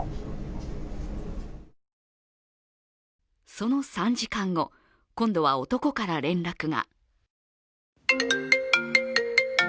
その３時間後、今度は男から連絡が。